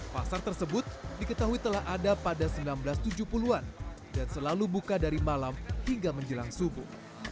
pasar tersebut diketahui telah ada pada seribu sembilan ratus tujuh puluh an dan selalu buka dari malam hingga menjelang subuh